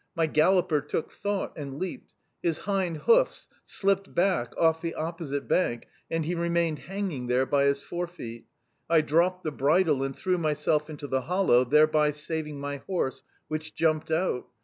My galloper took thought and leaped. His hind hoofs slipped back off the opposite bank, and he remained hanging by his fore feet. I dropped the bridle and threw myself into the hollow, thereby saving my horse, which jumped out.